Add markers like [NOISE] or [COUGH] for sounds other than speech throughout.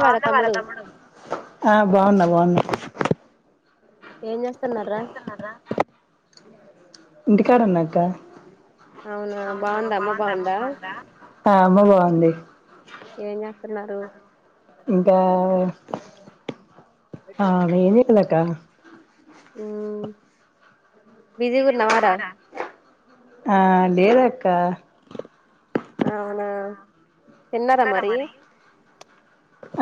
బాగున్నావా రా తమ్ముడు ఆ బాగున్నాం బాగున్నా ఏం జెస్తున్నారు రా ఇంటికాడ ఉన్నా అక్క అవునా బొంద అమ్మ బొంద, అమ్మ బాగుంది తున్నారు ఇంకా ఆ మే క్క హ్మ్మ్ బిజీగా ఉన్నావా రా ఆ లేేద అక్క అవునా తిన్నారా మరి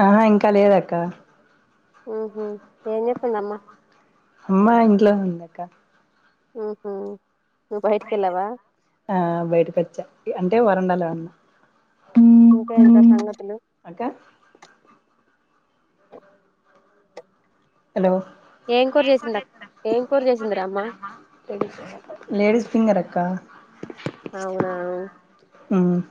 ఆహా ఇంకా లేదక్క హ్మ్మ్ ఏం జేస్తుంది అమ్మ అమ్మా ఇంట్లో ఉందాకా హ్మ్మ్ ఆ బయట వచ్చ అంటే వరండాల ఉన్నా ఇంకేంటి రా సంగతులు అక్క హలో ఏం కూర చేసింది ఏం కూర చేసిందిరా అమ్మ లేడీస్ ఫింగర్ అక్క అవునా మ్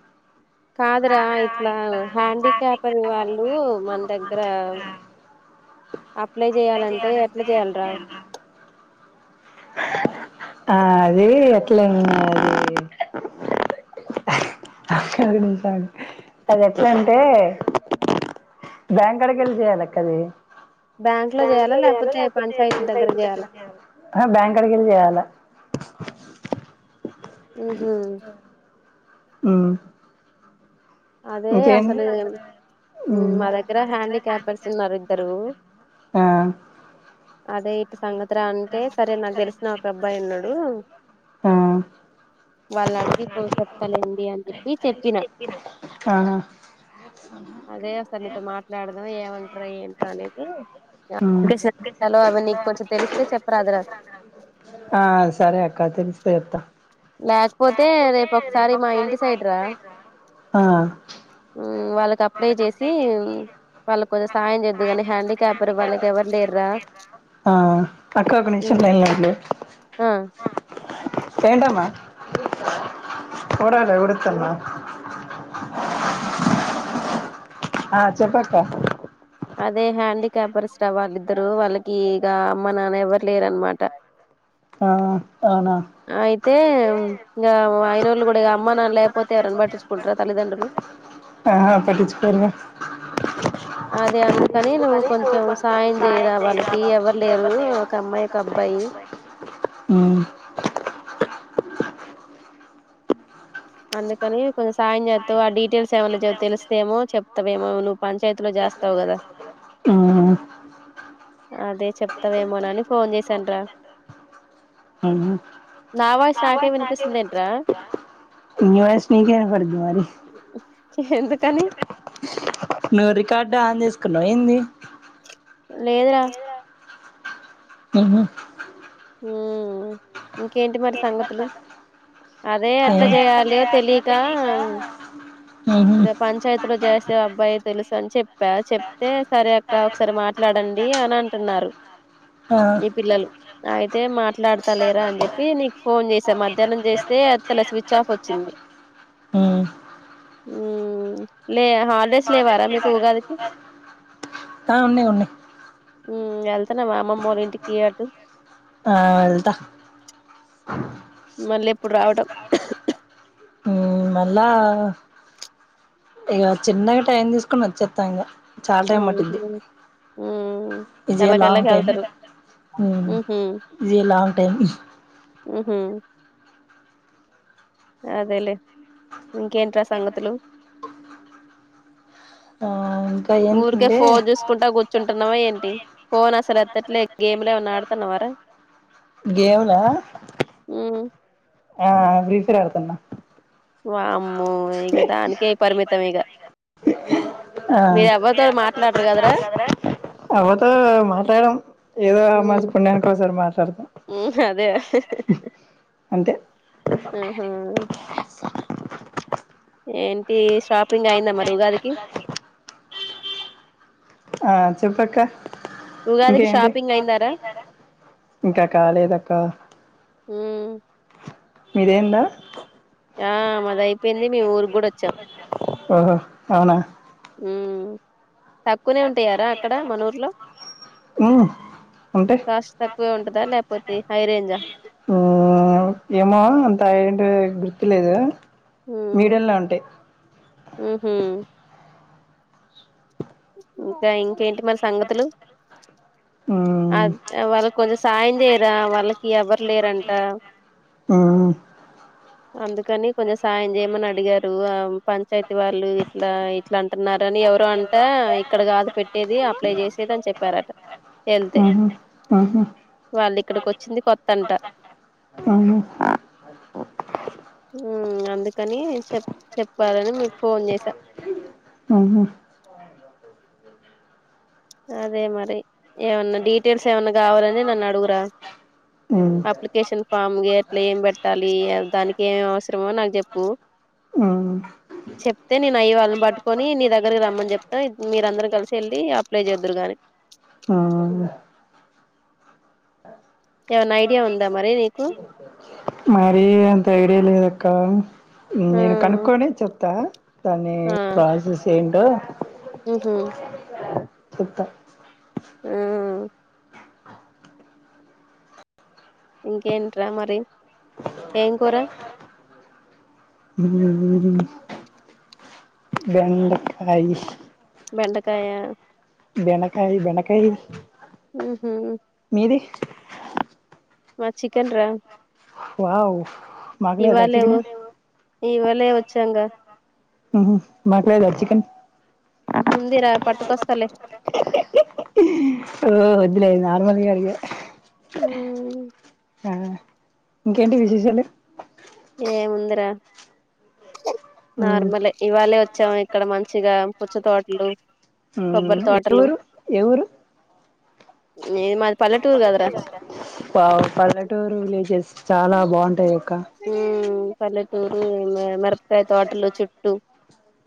కాదురా ఇట్లా హ్యాండిీకా్యాప్ వాళ్ళు మన దగ్గర అప్లై చేయాలంటే ఎట్లా చేయ్యాలరా ఆ అద అట్ల అది అది ఎట్లాంటే బ్యాంక్ కాడికి ఏళ్ళి చేయాలి అక్కది బ్యాంక్ లో చేయాలా లేకపోతే పంచాయతీ దగ్గర చేయాలా ఆహా బ్యాంక్ అడికిళ్ చేయాలా మ్ మ్ అదే అసలు ఉమ్ మా దగ్గర హ్యాండిీకాపర్స్ ఉన్నారు ఇద్దరు ఆ అదే ఇటు సంగతి అంటే సరే నాకు తెలిసిన ఒక అబ్బాయి ఉన్నాడు ఆ వాళ్ళు అడిగి చెప్తలేండి అని చెప్ప అని చెప్పిన ఆ అదే అసార్ నీతో మాట్లాడదాం ఏమంటారు ఏంటో అనేది ఉమ్ లో అంటే నీకు కొంచెం తెలిస్తే చెప్ప రాదు రాదు ఆ సరే అక్క తెలుస్తే చెప్తా, లేకపోతే రేపు ఒక సారి మా ఇంటి సైడ్ రా, ఆ వాళ్ళకి అప్లై చేసి వాళ్ళకి కొంచం సాయం చేద్దు కాని హ్యాండిక్యాప్ర్ వాళ్ళకి ఎవరు లేర్రా, ఆ అక్క ఒక నిమీషం లైన్ లో ఉండు, ఆ ఏంటమా ఉడావాలే ఉడుతున్న అగు, ఆ చెప్పు అక్క అదే హ్యాండిక్యాపర్స్ రా వాళ్ళిద్దరు వాళ్ళకి ఇక అమ్మ నాన్న ఎవరు లేరనమాట, ఆ అవునా అయితే ఇంకా అయిన వాళ్ళు కూడా ఇ అమ్మ నాన్న లేకపోతే ఎవరైనా పట్టించుకుంటారా తల్లిదండ్రులు, ఆహా పట్టించుకోరుగా అదే అందుకని నువ్వు కొంచెం సాయం చేయరా వాళ్ళకి ఎవరు లేరు ఒక అమ్మాయి, ఒక అబ్బాయి ఉ అందుకని కొంచెం సాయం చేతవా అది ల్స్ ఏమన్నా తెలుస్తేమో చెప్తావేమో నువ్వు పంచాయతీలో చేస్తావు కదా ఉమ్ అదే చెప్తావేమోనని ఫోన్ చేసాంట్రా ఉమ్ నా వాస్ నాకేమి వినిపిస్తుంది, ఏంట్రా నీ వాయిస్ నీకే వినిపడిది మరి, [UNINTELLIGIBLE] ఎందుకని నువ్వు రికార్డ్ ఆన్ చెస్ కున్నావేంది. లేదూర ఉహు ఉ ఇంకేంటి మరి సంగతులు అదే ఎట్లా చేయాలి తెలియక, ఉహు ఇక పంచాయతీలో చేస్తే అబ్బాయి తెలుసు అని చెప్పా చెప్తే సరి అక్క ఒకసారి మాట్లాడండి అని అంటున్నారు, ఆ ఈ పిల్లలు అయితే మాట్లాడు చెప్తా లేరా అని చెప్పి నీకు ఫోన్ చేసా మధ్యాహ్నం చేస్తే ఎతలే స్విచ్ ఆఫ్ వచ్చింది. ఉ ఉ లే హాలిడేస్ లేవారా మీకు ఉగాదికి, ఆ ఉన్నాయి, ఉన్నాయి. వెళ్తన్నావా అమ్మమ్మ వాళ్ళ ఇంటికి అటు ఆ వెళ్తా మళ్ళీ ఎప్పుడు రావడం, ఉ మళ్ళా ఇక చిన్నగా టైం తీసుకుని వచ్చేతా ఇగా చాలా టైం పట్టింది, ఇదే లాంగ్ ఎలాకెళ్ళకి టైం వెళ్తారు ఉహు, ఇదే లాంగ్ టైం. ఉహు అదేలే ఇంకేంట్రా సంగతులు ఆ ఇంకా ఊరికే ఏంటంటే ఫోన్ చూసుకుంటా కూర్చుంటున్నావా, ఏంటి ఫోన్ అసలు ఎత్తట్లే గేమ్లేమన్నా ఆడుతున్నావారా, గేమ్లా హు ఆ బ్రీఫర అడుతున్న, వామ్మో ఇక దానికే పరిమితం ఇక ఆ మీరు ఎవరితో మాట్లాడరు కదరా అవ్వతో మాట్లాడం ఏదో మంచి పుణ్యానికి ఒకసారి మాట్లాడతాం అదే అంతే ఆహా ఏంటి శప్ కిగ్ అయిందా మరి ఉగాదికి ఆ చెప్పక్క ఉగాదికి ఇంకేంటి షాపింగ్ అయిందారా ఇంకా కాలేదక్క ఆ మీరేందా ఆ మాద అయిపోయింది మేము ఊరికి కూడా వచ్చాం ఓహో అవునా తక్కువనే ఉంటాయారా అక్కడ మనూర్ లో ఉంటే కాస్ట్ తక్కువే ఉంటదా లేకపోతే హై రేంజా ఏమో అంత అంటే గుర్ ఎలేదు మీడిల్ లో ఉంటాయి ఆహ ఇంకా ఇంకేంటి మరి సంగతులు ఉమ్ అది వాళ్ళ కొంచెం సాయం చేయరా వాళ్లకి ఎవర్ ఉ అందుకని కొంచెం సాయం చేయమని అడిగారు పంచాయతీ వాళ్ళు ఇట్లా ఇట్లా అంటున్నారు అని ఎవరు అ అట్ట ఇక్కడ కాదు పెట్టేది అప్లై చేసేది అని చెప్పారట వెళ్తే ఆహా ఆహా వాళ్ళు ఇక్కడికి వచ్చింది కొత్తంట అవునా అందుకని చెప్ చెప్పాలని మీకు ఫోన్ చేసా ఉ అదే మరి ఏమన్నా డీటెయిల్స్ ఏమన్నా కావాలని నన్ను అడుగురా ఉమ్ అప్లికేషన్ ఫామ్ అట్లా ఏమి పెట్టాలి దానికి ఏమ అవసరమో నాకు చెప్పు ఉమ్ చెప్తే నేను అయ్యి వాళ్ళని పట్టుకొని నీ దగ్గరకి రమ్మని చెప్తాను మీరందరం కలిసి వెళ్ళి అప్లై చేదురు కానీ ఉమ్ ఏమనా ఐడియా ఉందా మరి నీకు మరి అంత ఐడియా లేదు అక్క ఆ నేను కనుక్కొనే చెప్తా దనే ఆ ప్రాసెస్ ఏం డ్ ఉహు చెప్తా ఉ ఇంకేంట్రా మరి ఏం కూర [UNINTELLIGIBLE] బెండ కాయి బెండకాయ బెండకాయి బెండకాయి ఉమ్ హు ది మాది చికెన్ రా వావ్ మాకు లేదా చికెను ఇవాలే వచ్చాంగా ఉంహు మాకు లేదా చికెన్ ఉందిరా పట్టుకొస్తలే ఓ వద్దులే నార్మల్గా అడిగా ఉమ్ ఆ ఇంకేంటి విశేషాలు ఏముందిరా ఉమ్ నార్మలే ఇవాళే వ చ్చాం ఇక్కడ మంచిగా పుచ్చ తోటలు కొబ్బరి తోటలు ఎ ఊరు ఇది మాది పల్లెటూరు కాదరా ప-పల్లెటూరు విలేజెస్ చాలా బాగుంటాయి అక్క ఉమ్ పల్లెటూరు మిరపకాయ తోటలో చుట్టూ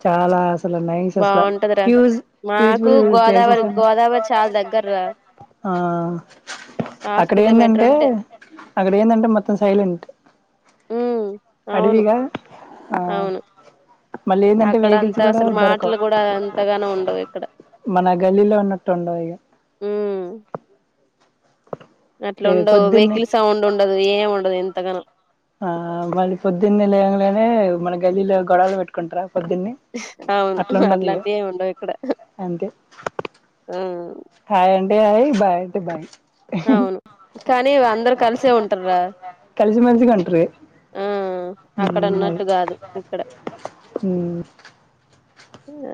చాలా అసలు నైస్ అసలు బాగుంటదిరా ప్యూజ్ మాకు ప్యూజిబుల్ ప్లేసెస్ గోదావరి అ గోదావరి చాలా దగ్గర్రా ఆ హాఫ్ అక్కడ కిలోమీటర్ ఏందంటే ఉంటే అక్కడ ఏందంటే మొత్తం సైలెంట్ ఉమ్ అవును అడివగా అవును మళ్లీ ఏందంటే అక్కడ వెయ్ కిల్స్ అంతా కూడా అసలు దొరకవ్ మాటలు కూడా అంతగానం ఉండవు ఇక్కడ మన గల్లీలో ఉన్నట్టు ఉండవు ఇగ ఉమ్ అట్లా ఏ ఉండదు పొద్దున్నే వెహికల్ సౌండ్ ఉండదు త్తగను ఆ మళ్ళీ పొద్దున్న లేవగానేమన గదిలో గొడవలు పెట్టుకుంటారా పొద్దున్నే అవును అట్లుండదు ఇగ అట్లాంటి ఏమి ఉండవు ఇక్కడ అంతే ఆ హాయ్ అంటడి హాయి్ బాయ్ అంటే బాయ్ అవును కానీ అందరు కలిసే ఉంటార్ర కలిసిమెలిసిగా ఉంటరు ఉమ్ అది ఉమ్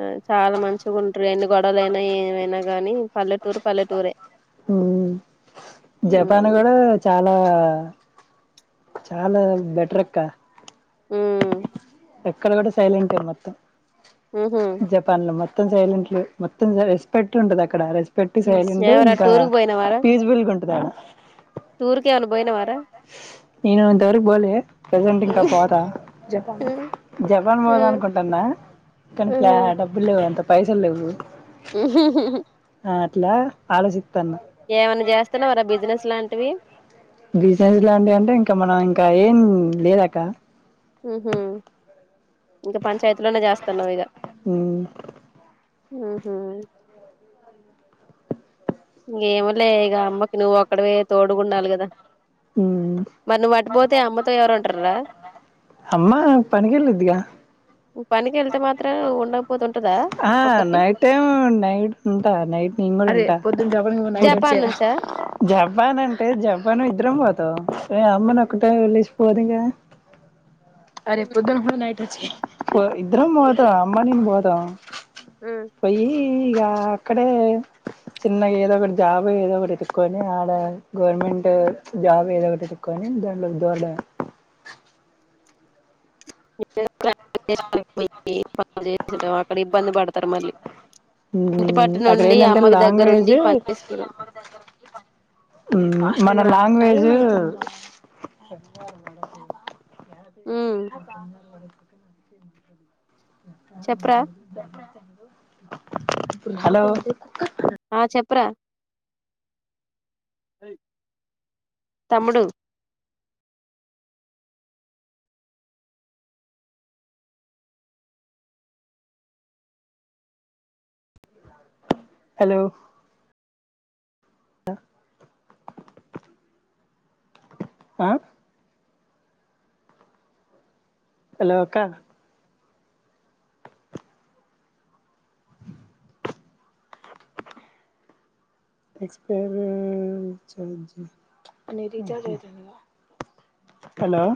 ఆ చాలా మంచిగా ఉంట్రు ఎన్ని గొడవలుఅయినా ఏమైనా గానీ పల్లెటూరు పల్లెటూరే ఉమ్ జపాన్ ఉ కూడా చాలా చాలా బెటర్ అక్క ఊ ఎక్కడ గుడా సైలెంటే మొత్తం ఉహు జపాన్ లో మత్త మొత్తం సైలెంట్ లే మొత్తం రెస్పెక్ట్ వుంటాది అక్కడ రె పెట్టి సయలిండు ఎవరా ఇంకా టూర్కి పోయినవారా పీజ బిల్ అదా టూర్కి ఏమైనా పోయినవారా నేనుంతవరకు పోలే ప్రజెంట్ ఇంకా పోతా జపాన్ పోద అనుకుంటున్నా కానీ్లా డబ్బులు ఎంత పైసలు లేవు హ్మ్మ్ హ్మ్మ్ ఒట్లా ఆలోచి ఏమన్నా చేస్తున్నావారా బిజినెస్ లాంటివి బిజినెస్ లాంటి అంటే ఇంకా మనం ఇంకా ఏం లేదాక ఆహా ఇంకా పంచాయతీ లోనే జాస్ తన వేద్ హ్మ్మ్ హ్మ్మ్ ఏమోలేఇక అమ్మకి నువ్వు అక్కడవే తోడుగా ఉండాలి కదా ఉమ్ మరి నువ్వు మట్పోతే అమ్మతో ఎవరు ఉంటార రా అమ్మా పనికెళ్ళిద్దిగా ను పనికి వెళ్తే మాత్రం ఉండ పోతన్ ఆ నైట్ టైం నైట్ ఉంటా నైట్ నేన్ కూడా ఉంటా పొద్దున జపాన్ పోయి నైట్ జపాన్ వచ్చేరా నుంచా జపాన్ అంటే జపాను ఇద్దరం పో ఇగ అమ్మను ఒకటే వెళ్ళసి పోదు గా అరే ఉమ్. పొద్దున పోయ్ నైట్ పో ఇద్దరం పోతాం అమ్మ నేను పోతాం పొయ్యి ఇగ అక్కడే చిన్నగా ఏదో ఒకటి జాబ్ ఏదో ఒకటి ఎతుక్కొని ఆడ గవర్నమెంట్ జాబ్ ఏదో ఒకటి ఎతుక్కొని దానిలోకి దూరడమె [INAUDIBLE] పనులు చేయించటం అక్కడ ఇబ్బంది పడుత్ తర్ మళ్ళి ఉమ్ అక్కడ ఏందంటె దగ్గరుండి లాంగ్వేజు పని చేసుకుడు మ్ మన లాంగ్వేజు [INAUDIBLE] ఉమ్ చెప్పరా [UNINTELLIGIBLE] హలో ఆ చెప్పురా తమ్ముడు హలో అ ఆ హలో అక్క హలో